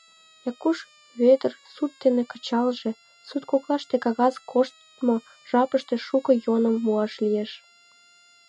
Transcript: — Якуш Вӧдыр суд дене кычалже, суд коклаште кагаз коштмо жапыште шуко йӧным муаш лиеш.